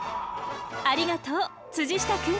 ありがとう！下くん！